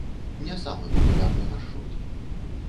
Не самы папулярны маршрут.